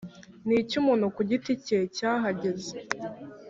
n icy umuntu ku giti cye cyahageze